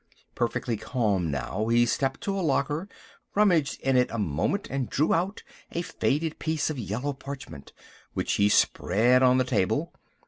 Perfectly calm now, he stepped to a locker, rummaged in it a moment, and drew out a faded piece of yellow parchment, which he spread on the table.